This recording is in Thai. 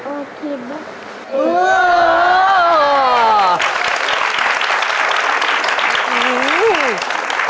โอ้โห